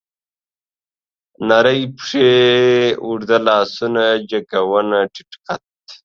نرۍ پښې، اوږده لاسونه، جګه ونه، ټيټ قد